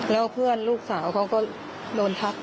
แล้วเพื่อนลูกสาวเขาก็โดนทักอย่างนี้